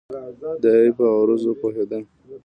دای په عروضو پوهېده.